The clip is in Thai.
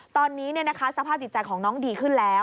ตอนนี้สภาพจิตใจของน้องดีขึ้นแล้ว